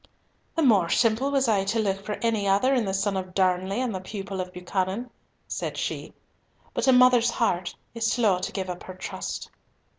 "The more simple was I to look for any other in the son of Darnley and the pupil of Buchanan," said she, "but a mother's heart is slow to give up her trust."